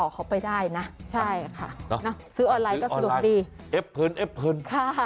กับคุณ